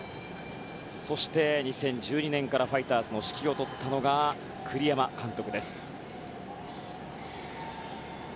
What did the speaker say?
そして２０１２年からファイターズの指揮を執ったのが栗山監督です。